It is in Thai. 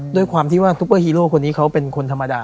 ด้วยความที่ว่าซุปเปอร์ฮีโร่คนนี้เขาเป็นคนธรรมดา